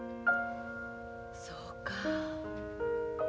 そうか。